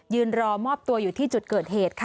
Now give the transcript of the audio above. รอมอบตัวอยู่ที่จุดเกิดเหตุค่ะ